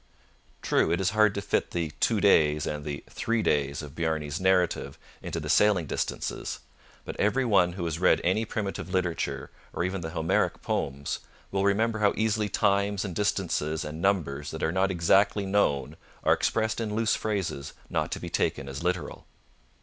True, it is hard to fit the 'two days' and the 'three days' of Bjarne's narrative into the sailing distances. But every one who has read any primitive literature, or even the Homeric poems, will remember how easily times and distances and numbers that are not exactly known are expressed in loose phrases not to be taken as literal.